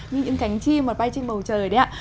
như những cánh chi mà bay trên bầu trời đấy ạ